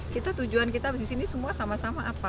kita tujuan kita di sini semua sama sama apa